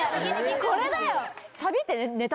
これだよ！